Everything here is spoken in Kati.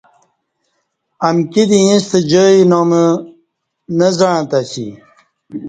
امکی دی ییݩستہ جائی نام نہ زعݩتہ اسی